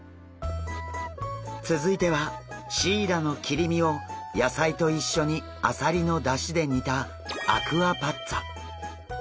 続いてはシイラの切り身を野菜と一緒にアサリのだしで煮たアクアパッツァ。